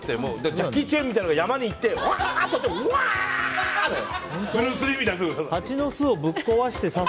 ジャッキー・チェンみたいなのが山に行ってワーっとやってワー！だよ。